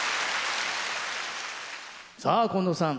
さあ近藤さん